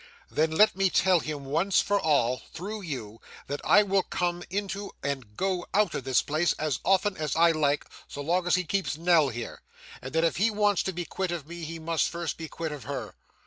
'Then let me tell him once for all, through you, that I will come into and go out of this place as often as I like, so long as he keeps Nell here; and that if he wants to be quit of me, he must first be quit of her.